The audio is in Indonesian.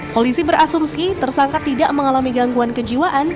polisi berasumsi tersangka tidak mengalami gangguan kejiwaan